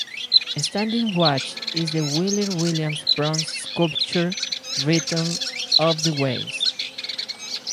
Standing watch is the Wheeler Williams' bronze sculpture Rhythm of the Waves.